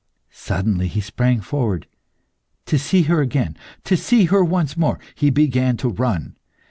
Suddenly he sprang forward. "To see her again, to see her once more!" He began to run.